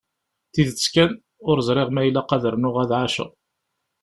Tidet kan, ur ẓriɣ ma ilaq ad rnuɣ ad ɛaceɣ.